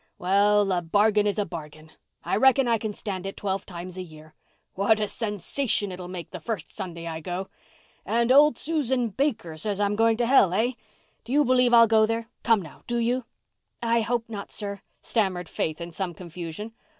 "Well, a bargain is a bargain. I reckon I can stand it twelve times a year. What a sensation it'll make the first Sunday I go! And old Susan Baker says I'm going to hell, hey? Do you believe I'll go there—come, now, do you?" "I hope not, sir," stammered Faith in some confusion.